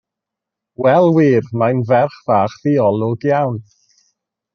Wel wir, mae'n ferch fach ddiolwg iawn.